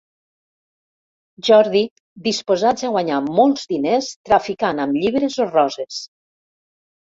Jordi, disposats a guanyar molts diners traficant amb llibres o roses.